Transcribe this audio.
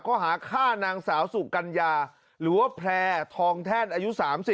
ข้อหาฆ่านางสาวสุกัญญาหรือว่าแพร่ทองแท่นอายุ๓๐